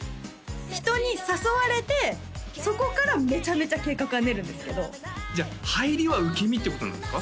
人に誘われてそこからめちゃめちゃ計画は練るんですけどじゃあ入りは受け身ってことなんですか？